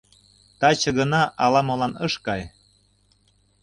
Таче гына ала-молан ыш кай.